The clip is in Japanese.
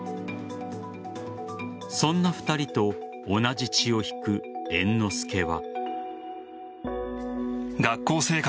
そんな２人と同じ血を引く猿之助は。